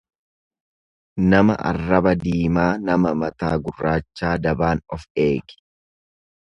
Nama arraba diimaa nama mataa gurraachaa dabaan of eegi.